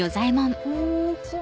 こんにちは